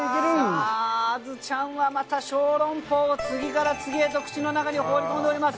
あずちゃんはまたショウロンポウを次から次へと口の中に放り込んでおります。